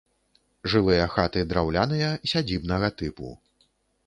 Жылыя хаты драўляныя, сядзібнага тыпу.